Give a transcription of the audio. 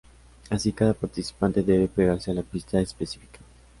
Así cada participante debe pegarse a la pista específica.